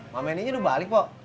mama nini udah balik pok